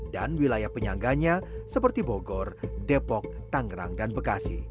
dan wilayah penyangganya seperti bogor depok tangerang dan bekasi